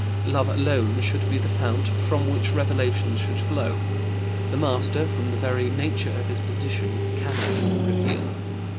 Love alone should be the fount from which revelations should flow; the master, from the very nature of his position, cannot reveal.